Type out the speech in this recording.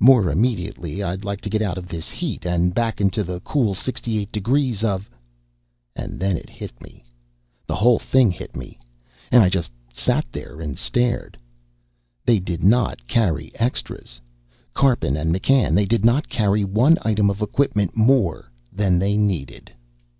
More immediately, I'd like getting out of this heat and back into the cool sixty eight degrees of And then it hit me. The whole thing hit me, and I just sat there and stared. They did not carry extras, Karpin and McCann, they did not carry one item of equipment more than they needed.